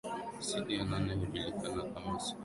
siku ya nane hujulikana kama siku za kubadilika